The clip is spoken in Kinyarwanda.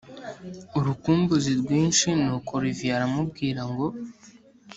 urukumbuzi rwinshi nuko olivier aramubwira ngo